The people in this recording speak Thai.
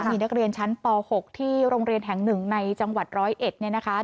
มีนักเรียนชั้นปร๖ที่โรงเรียนแห่ง๑ในจร๑นะคะ